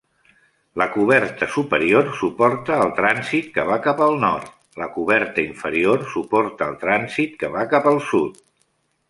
La coberta superior suporta el trànsit que va cap al nord; la coberta inferior suporta el trànsit que va cap al sud.